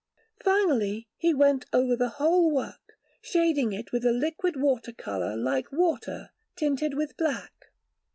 Finally, he went over the whole work, shading it with a liquid water colour like water tinted with black.